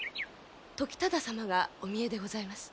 時忠様がお見えでございます。